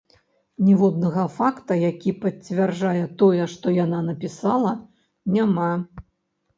Ніводнага факта, які пацвярджае тое, што яна напісала, няма.